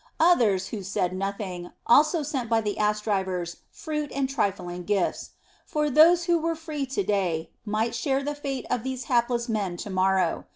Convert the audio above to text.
Others, who said nothing, also sent by the ass drivers fruit and trifling gifts; for those who were free to day might share the fate of these hapless men to morrow.